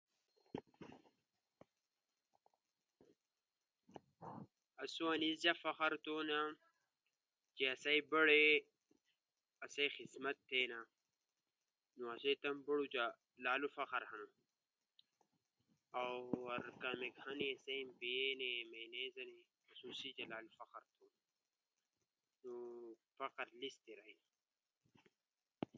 آسو انیس جا فخر تھونا، چی اسئی بڑے آسئی جا خدمت تھینا، نو اسئی تمو برو جا لالو فخر ہنو۔ اؤ کامیک ہنی آسئی بڑے آسئی ایم پی اے ہنی، اسو تی لالو فخر تھونا۔